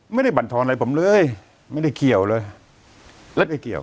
ไม่ได้บรรทอนอะไรผมเลยไม่ได้เกี่ยวเลย